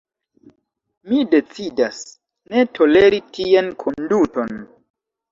Mi decidas, ne toleri tian konduton.